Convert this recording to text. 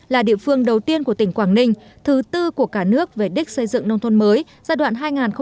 là địa phương đầu tiên của tỉnh quảng ninh thứ tư của cả nước về đích xây dựng nông thôn mới giai đoạn hai nghìn một mươi một hai nghìn hai mươi